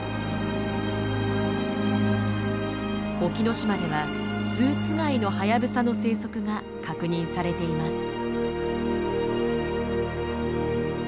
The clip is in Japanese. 沖ノ島では数つがいのハヤブサの生息が確認されています。